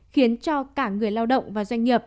khiến cho cả người lao động và doanh nghiệp